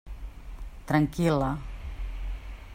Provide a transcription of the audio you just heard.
Tranquil·la.